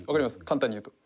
簡単に言うと。